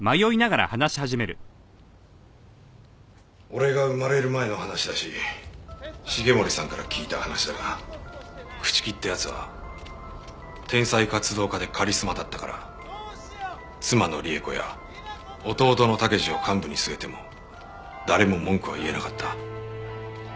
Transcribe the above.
俺が生まれる前の話だし繁森さんから聞いた話だが朽木って奴は天才活動家でカリスマだったから妻の里江子や弟の武二を幹部に据えても誰も文句は言えなかった。